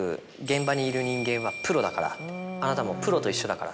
「あなたもプロと一緒だから」。